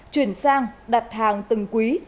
chuyển sang đặt hàng từng quý